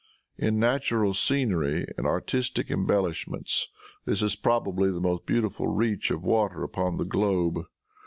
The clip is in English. In natural scenery and artistic embellishments this is probably the most beautiful reach of water upon the globe.